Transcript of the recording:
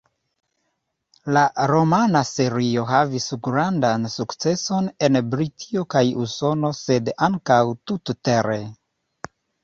La romana serio havis grandan sukceson en Britio kaj Usono sed ankaŭ tut-tere.